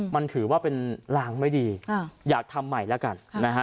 มันถือว่าเป็นลางไม่ดีอยากทำใหม่แล้วกันนะฮะ